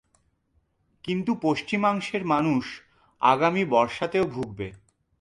কিন্তু পশ্চিমাংশের মানুষ আগামী বর্ষাতেও ভুগবে।